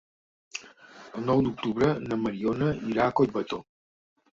El nou d'octubre na Mariona irà a Collbató.